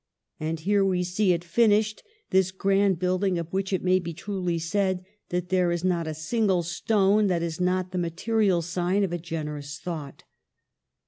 "And here we see it finished, this grand build ing of which it may be truly said that there is not a single stone that is not the material sign of a generous thought.